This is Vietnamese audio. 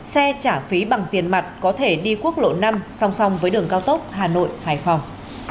xe trả phí bằng tiền mặt có thể đi quốc lộ năm song song với đường cao tốc hà nội hải phòng